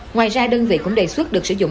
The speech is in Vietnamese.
ngoài ra đơn vị cũng đề xuất được sử dụng